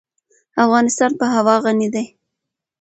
افغانستان په هوا غني دی.